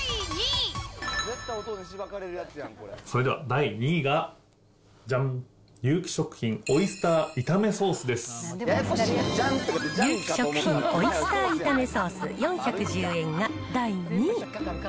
それでは第２位がじゃん、ユウキ食品、ユウキ食品、オイスター炒めソース４１０円が第２位。